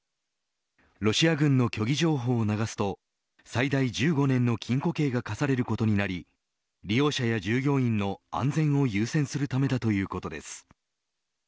ロシア軍の虚偽情報を流すと最大１５年の禁錮刑が課されることになり利用者や従業員の安全を優先するためだということです。